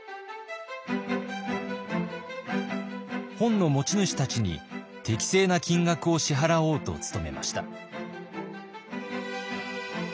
本の持ち主たちに適正な金額を支払おうと努めました。